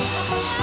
あ。